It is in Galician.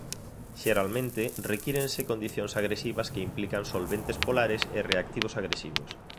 Xeralmente requírense condicións agresivas que implican solventes polares e reactivos agresivos.